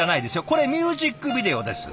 これミュージックビデオです。